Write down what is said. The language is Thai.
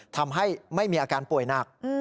ทำให้ไม่มีอาการป่วยหนัก